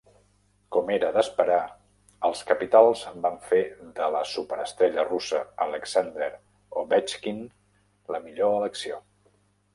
Com era d'esperar, els capitals van fer de la superestrella russa Alexander Ovechkin, la millor elecció.